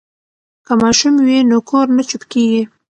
که ماشوم وي نو کور نه چوپ کیږي.